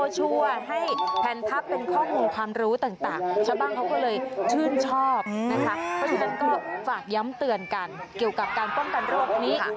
เพราะฉะนั้นก็ฝากย้ำเตือนกันเกี่ยวกับการป้องกันโรคนี้